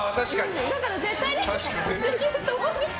だから絶対にできると思うんです。